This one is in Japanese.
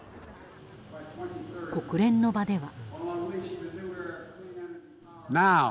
国連の場では。